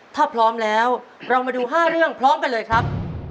ถ้าพร้อมแล้วเรามาดู๕เรื่องพร้อมกันเลยครับ